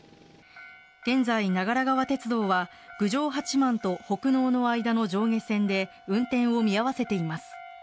現在、長良川鉄道は郡上八幡と北濃の間の上下線で運転を見合わせています。